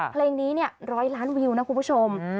เพลงนี้๑๐๐ล้านวิวนะคุณผู้ชม